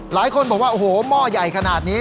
หลายคนบอกว่าโอ้โหหม้อใหญ่ขนาดนี้